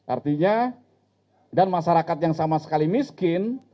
artinya dan masyarakat yang sama sekali miskin